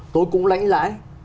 tôi cũng lãnh lãi